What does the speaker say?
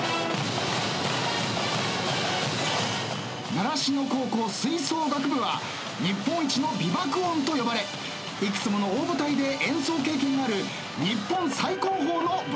習志野高校吹奏楽部は日本一の美爆音と呼ばれ幾つもの大舞台で演奏経験がある日本最高峰のブラスバンドチーム。